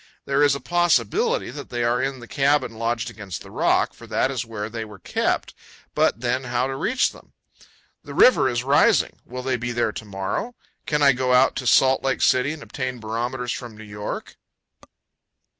There is a possibility that they are in the cabin lodged against the rock, for that is where they were kept. But, then, how to reach them? The river is rising. Will they be there to morrow? Can I go out to Salt Lake City and obtain barometers from New York?